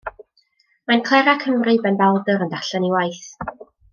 Mae'n clera Cymru benbaladr yn darllen ei waith.